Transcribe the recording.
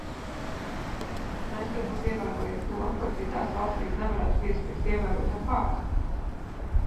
Mēs varbūt ievērojam to, ko citās valstīs nevarētu piespiest ievērot ar pātagu.